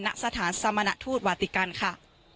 ณสถานสมณฑูตวาติกันค่ะ